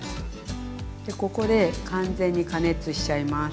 ここで完全に加熱しちゃいます。